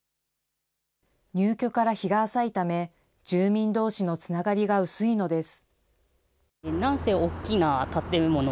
入居から日が浅いため、住民どうしのつながりが薄いのです。